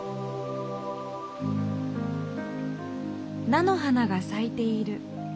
菜の花がさいている。